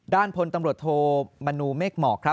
ด้านพลตำรวจโทมนูเมกหมอก